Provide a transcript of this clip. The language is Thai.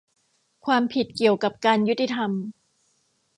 ความผิดเกี่ยวกับการยุติธรรม